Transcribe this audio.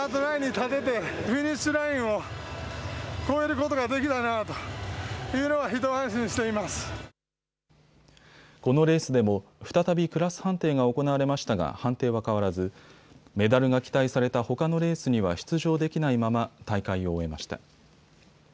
このレースでも再びクラス判定が行われましたが判定は変わらずメダルが期待されたほかのレースには出場できないまま大会を終えました。